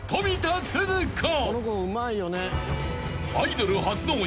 ［アイドル初の鬼